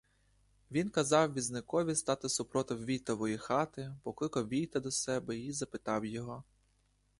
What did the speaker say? Він казав візникові стати супротив війтової хати, покликав війта до себе й запитав його: